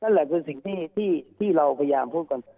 นั่นแหละคือสิ่งที่เราพยายามพูดกัน